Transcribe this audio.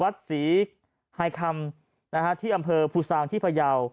วัดศรีไฮคำที่อำเภอภูซางที่พยาว